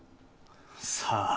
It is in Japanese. さあ。